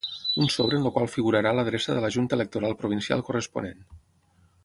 Un sobre en el qual figurarà l’adreça de la junta electoral provincial corresponent.